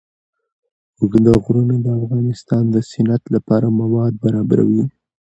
اوږده غرونه د افغانستان د صنعت لپاره مواد برابروي.